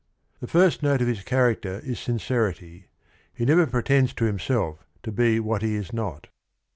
The first note of his c haracter is sincerity. He never" pretends to himself to be what he is not.